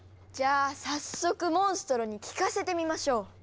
じゃあ早速モンストロに聞かせてみましょう！